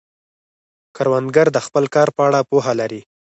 کروندګر د خپل کار په اړه پوهه لري